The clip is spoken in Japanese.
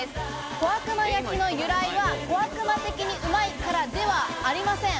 小悪魔焼きの由来は小悪魔的にうまいからではありません。